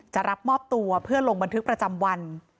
จะรับมอบตัวเพื่อลงบันทึกประจำวัน